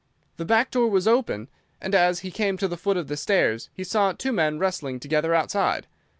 The back door was open, and as he came to the foot of the stairs he saw two men wrestling together outside.